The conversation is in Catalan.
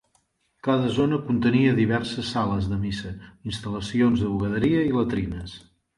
Cada zona contenia diverses sales de missa, instal·lacions de bugaderia i latrines.